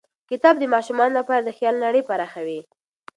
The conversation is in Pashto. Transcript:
کتاب د ماشومانو لپاره د خیال نړۍ پراخوي.